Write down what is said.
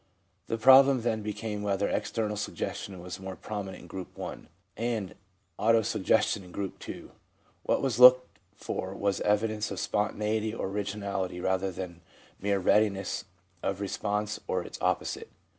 * The problem then be came whether external suggestion was more prominent in Group I. and auto suggestion in Group II. ..• What was looked for was evidence of spontaneity or originality rather than mere readiness of response or its opposite.